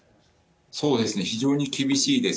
そうですね、非常に厳しいです。